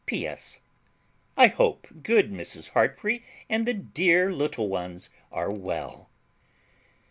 P.S. I hope good Mrs. Heartfree and the dear little ones are well.